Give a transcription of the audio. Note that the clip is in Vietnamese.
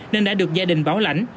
nên đã được gia đình báo lãnh